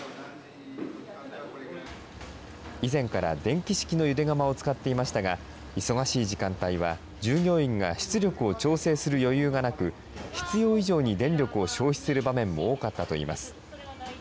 以前から電気式のゆで釜を使っていましたが、忙しい時間帯は従業員が出力を調整する余裕がなく、必要以上に電力を消費する場面も多かったといいます。